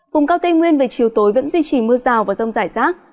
vùng cao tây nguyên về chiều tối vẫn duy trì mưa rào và rông rải rác